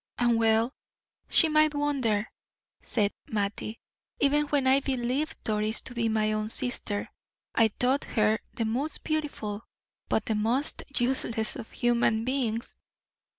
"And well she might wonder," said Mattie; "even when I believed Doris to be my own sister, I thought her the most beautiful, but the most useless of human beings!"